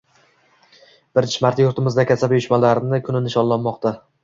Birinchi marta yurtimizda kasaba uyushmalari kuni nishonlanmoqdang